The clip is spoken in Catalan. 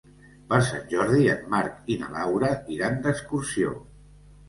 Per Sant Jordi en Marc i na Laura iran d'excursió.